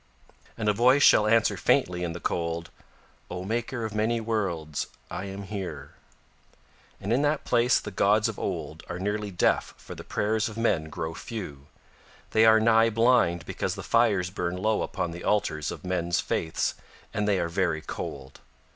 And a voice shall answer faintly in the cold: "O maker of many worlds, I am here." And in that place the gods of Old are nearly deaf for the prayers of men grow few, they are nigh blind because the fires burn low upon the altars of men's faiths and they are very cold.